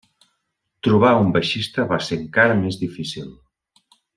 Trobar a un baixista va ser encara més difícil.